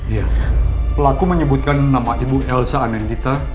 iya pelaku menyebutkan nama ibu elsa anendita